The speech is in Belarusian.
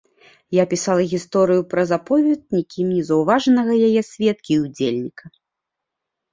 Я пісала гісторыю праз аповед нікім не заўважанага яе сведкі і ўдзельніка.